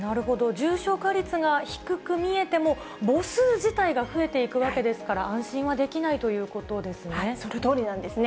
重症化率が低く見えても、母数自体が増えていくわけですから、そのとおりなんですね。